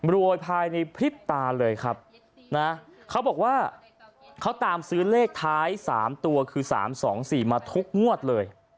รวยภายในพริบตาเลยครับนะเขาบอกว่าเขาตามซื้อเลขท้าย๓ตัวคือ๓๒๔มาทุกงวดเลย